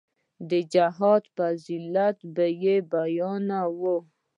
د جهاد فضيلت به يې بياناوه.